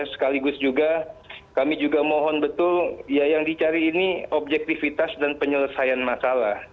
sekaligus juga kami juga mohon betul ya yang dicari ini objektivitas dan penyelesaian masalah